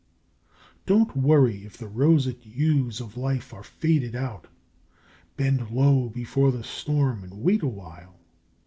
Don't worry if the roseate hues of life are faded out, Bend low before the storm and wait awhile.